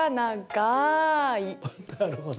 なるほど。